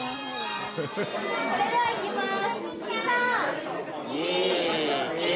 それではいきます。